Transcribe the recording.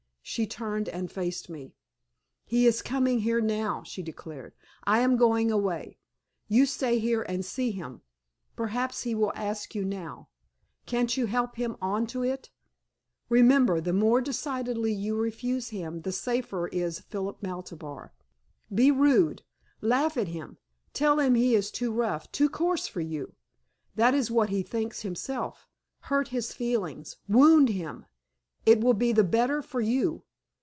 She turned and faced me. "He is coming here now," she declared. "I am going away. You stay here and see him. Perhaps he will ask you now. Can't you help him on to it? Remember, the more decidedly you refuse him the safer is Philip Maltabar. Be rude. Laugh at him; tell him he is too rough, too coarse for you. That is what he thinks himself. Hurt his feelings wound him. It will be the better for you.